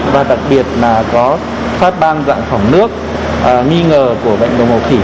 và đặc biệt là có phát ban dạng phẩm nước nghi ngờ của bệnh đậu mùa khỉ